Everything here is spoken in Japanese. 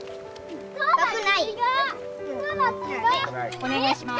お願いします。